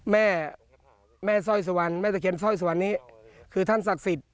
แม่สะเคียนส้อยสุวรรณนี้คือท่านศักดิ์สิทธิ์